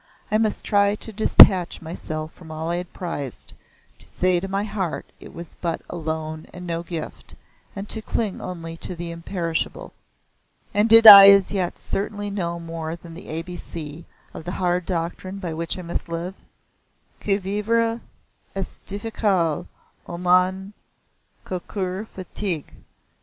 I must try to detach myself from all I had prized to say to my heart it was but a loan and no gift, and to cling only to the imperishable. And did I as yet certainly know more than the A B C of the hard doctrine by which I must live? "Que vivre est difficile, O mon cocur fatigue!"